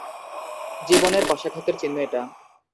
জীবনের কশাঘাতের চিহ্ন এটা।